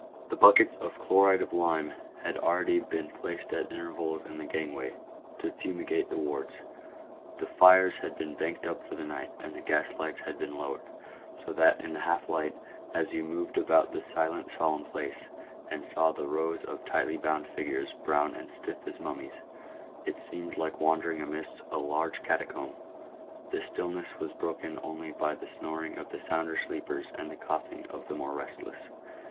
The buckets of chloride of lime had already been placed at intervals in the gangways to fumigate the wards ; the fires had been banked up for the night, and the gas lights had been lowered, so that in the half light, as you moved about the silent, solemn place, and saw the rows of tightly bound figures, brown and stiff as mum mies, it seemed like wandering amidst some large catacomb. The stillness was broken only by the snoring of the sounder sleepers and the coughing of the more restless.